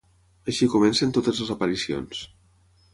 Així comencen totes les aparicions.